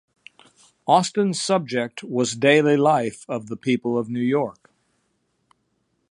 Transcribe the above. Austen's subject was daily life of the people of New York.